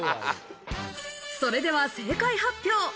それでは正解発表。